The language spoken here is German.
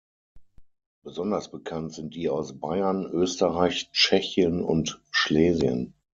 Besonders bekannt sind die aus Bayern, Österreich, Tschechien und Schlesien.